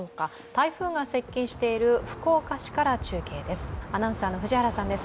台風が接近している福岡市から中継です。